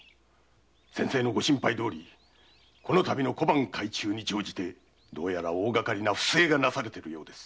ご心配どおりこのたびの小判改鋳に乗じてどうやら大がかりな不正がなされているようです。